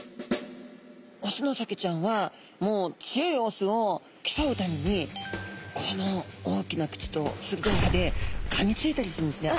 オスのサケちゃんはもう強いオスをきそうためにこの大きな口とするどい歯でかみついたりするんですね。